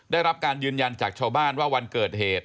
ได้รับการยืนยันจากชาวบ้านว่าวันเกิดเหตุ